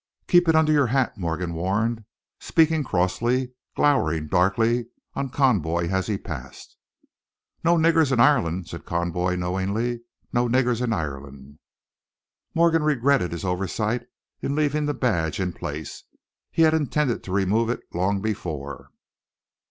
"Keep it under your hat!" Morgan warned, speaking crossly, glowering darkly on Conboy as he passed. "No niggers in Ireland," said Conboy, knowingly; "no o o niggers in Ireland!" Morgan regretted his oversight in leaving the badge in place. He had intended to remove it, long before.